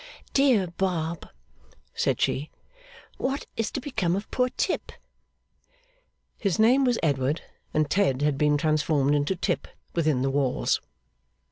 'Dear Bob,' said she, 'what is to become of poor Tip?' His name was Edward, and Ted had been transformed into Tip, within the walls.